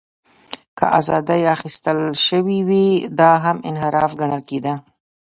که ازادۍ اخیستل شوې وې، دا هم انحراف ګڼل کېده.